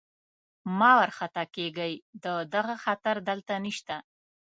مه وارخطا کېږئ، د دغه خطر دلته نشته.